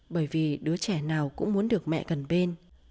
bởi vì đứa trẻ nào cũng muốn được mẹ cần bên